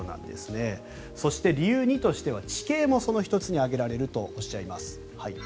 そして、理由２としては地形もその理由に挙げられるとおっしゃっています。